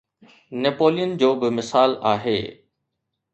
Napoleon جو به مثال آهي.